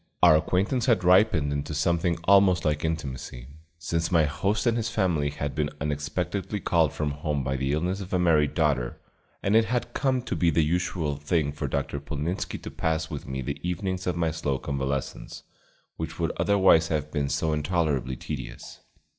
Our acquaintance had ripened into something almost like intimacy, since my host and his family had been unexpectedly called from home by the illness of a married daughter, and it had come to be the usual thing for Dr. Polnitzski to pass with me the evenings of my slow convalescence, which would otherwise have been so intolerably tedious.